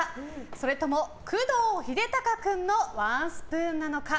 それとも工藤秀鷹君のワンスプーンなのか。